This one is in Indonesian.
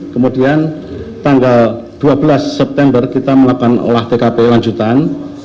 kemudian tanggal dua belas september kita melakukan olah tkp lanjutan